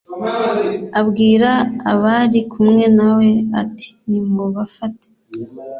abwira abari kumwe na we ati nimubafate